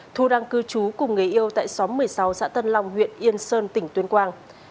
thu đang cư trú cùng người yêu tại xóm một mươi sáu xã tân long huyện yên sơn tỉnh tuyên quang